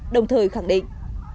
đồng thời khẳng định